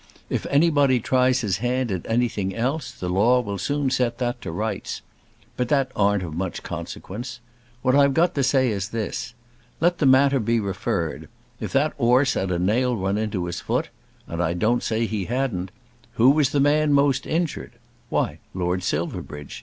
"If anybody tries his hand at anything else the law will soon set that to rights. But that aren't of much consequence. What I've got to say is this. Let the matter be referred. If that 'orse had a nail run into his foot, and I don't say he hadn't, who was the man most injured? Why, Lord Silverbridge.